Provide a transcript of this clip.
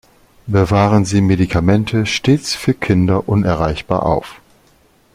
Bewahren Sie Medikamente stets für Kinder unerreichbar auf.